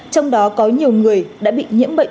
trong đó có nhiều người đã bị nhiễm bệnh